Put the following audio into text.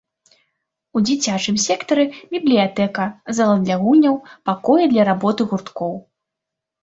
У дзіцячым сектары бібліятэка, зала для гульняў, пакоі для работы гурткоў.